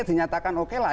dinyatakan oke lah